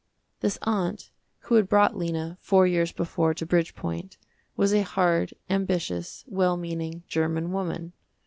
This aunt, who had brought Lena, four years before, to Bridgepoint, was a hard, ambitious, well meaning, german woman.